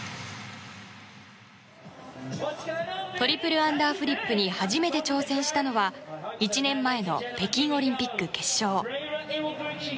トリプルアンダーフリップに初めて挑戦したのは１年前の北京オリンピック決勝。